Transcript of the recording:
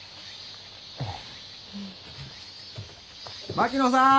槙野さん